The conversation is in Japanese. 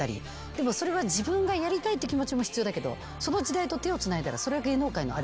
でもそれは自分がやりたいって気持ちも必要だけどその時代と手をつないだらそれ芸能界のあり場所じゃん。